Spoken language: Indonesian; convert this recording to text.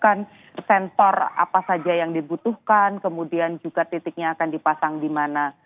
apakah sensor apa saja yang dibutuhkan kemudian juga titiknya akan dipasang di mana